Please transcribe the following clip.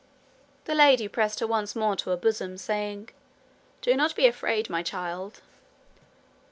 The lady pressed her once more to her bosom, saying: 'Do not be afraid, my child.'